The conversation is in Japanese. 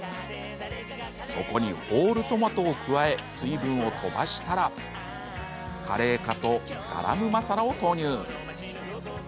そこにホールトマトを加え水分を飛ばしたらカレー粉とガラムマサラを投入。